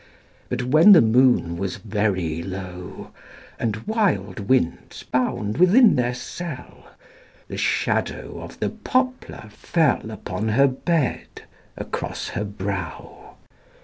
But when the moon was very low, And wild winds bound within their cell, The shadow of the poplar fell Upon her bed, across her brow.